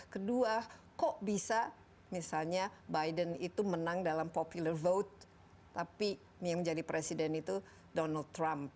kedua kok bisa misalnya biden itu menang dalam popular vote tapi yang jadi presiden itu donald trump